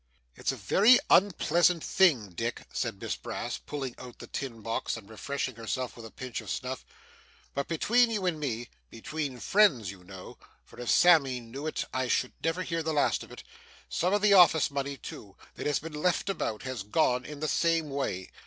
'It's a very unpleasant thing, Dick,' said Miss Brass, pulling out the tin box and refreshing herself with a pinch of snuff; 'but between you and me between friends you know, for if Sammy knew it, I should never hear the last of it some of the office money, too, that has been left about, has gone in the same way.